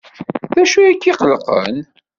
D acu ay k-iqellqen?